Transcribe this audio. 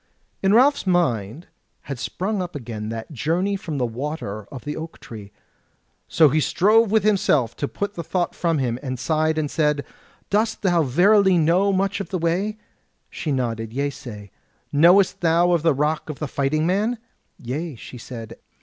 In Ralph's mind had sprung up again that journey from the Water of the Oak tree; so he strove with himself to put the thought from him, and sighed and said: "Dost thou verily know much of the way?" She nodded yeasay. "Knowest thou of the Rock of the Fighting Man?" "Yea," she said.